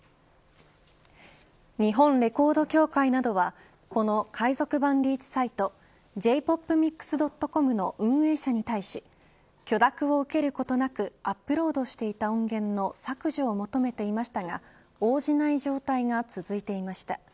日本レコード協会などはこの海賊版リーチサイトｊｐｏｐｍｉｘ．ｃｏｍの運営者に対し許諾を受けることなくアップロードしていた音源の削除を求めていましたが応じない状態が続いていました。